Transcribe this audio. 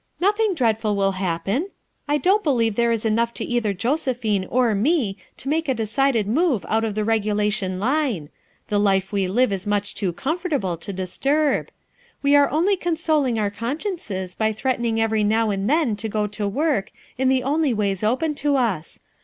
"Nothing dreadful will happen; I don't believe 52 FOUK MOTHERS AT CHAUTAUQUA there is enough to either Josephine or me to make a decided move out of the regulation line; the life we live is much too comfortable to dis turb. We are only consoling our consciences by threatening every now and then to go to work in the only ways open to us.